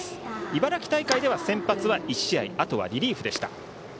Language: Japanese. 茨城大会では先発は１試合あとはリリーフでした。